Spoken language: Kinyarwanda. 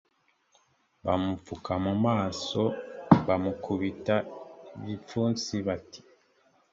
bamupfuka mu maso bamukubita ibipfunsi bati